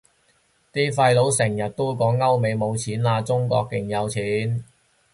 啲廢老成日都講歐美冇錢喇，中國勁有錢